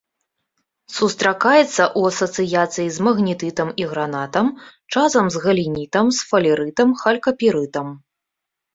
Сустракаецца ў асацыяцыі з магнетытам і гранатам, часам з галенітам, сфалерытам, халькапірытам.